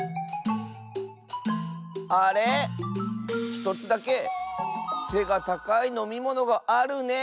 １つだけせがたかいのみものがあるね。